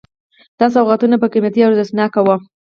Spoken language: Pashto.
دا سوغاتونه به قیمتي او ارزښتناک وو.